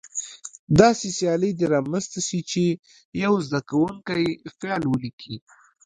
داسې سیالي دې رامنځته شي چې یو زده کوونکی فعل ولیکي.